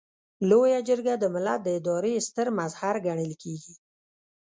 لویه جرګه د ملت د ادارې ستر مظهر ګڼل کیږي.